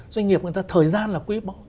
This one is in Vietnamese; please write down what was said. doanh nghiệp người ta thời gian là quý bó